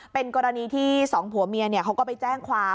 เป็นกรณีที่สองผัวเมียเขาก็ไปแจ้งความ